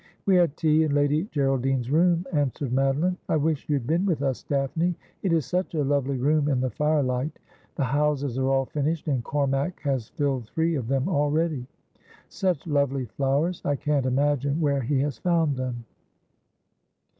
' We had tea in Lady Geraldine's room,' answered Madoline. ' I wish you had been with us. Daphne. It is such a lovely room in the firelight. The houses are all finished, and Cormack has filled three of them already. Such lovely flowers ! I can't imagine where he has found them.'